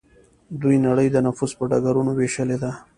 دوی نړۍ د نفوذ په ډګرونو ویشلې ده